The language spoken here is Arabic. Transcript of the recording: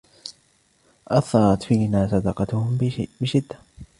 أثّرتْ فينا صداقتهم بشدة.